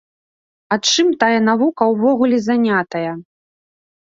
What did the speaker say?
А чым тая навука ўвогуле занятая?